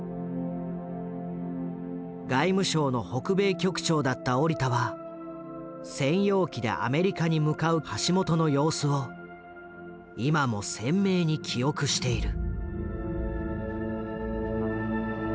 外務省の北米局長だった折田は専用機でアメリカに向かう橋本の様子を今も鮮明に記憶している。